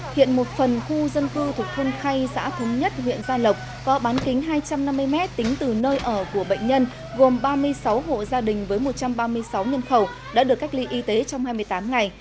hiện một phần khu dân cư thuộc thôn khay xã thống nhất huyện gia lộc có bán kính hai trăm năm mươi m tính từ nơi ở của bệnh nhân gồm ba mươi sáu hộ gia đình với một trăm ba mươi sáu nhân khẩu đã được cách ly y tế trong hai mươi tám ngày